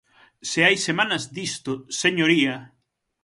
¡Se hai semanas disto, señoría!